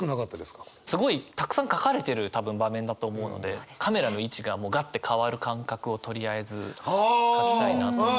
すごいたくさん書かれてる多分場面だと思うのでカメラの位置がもうガッて変わる感覚をとりあえず書きたいなと思って。